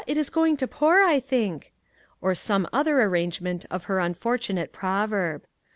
It is going to pour, I think !" or some other arrangement of her unfortunate proverb.